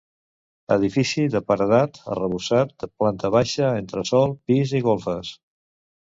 Edifici de paredat, arrebossat, de planta baixa, entresòl, pis i golfes.